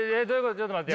ちょっと待ってよ。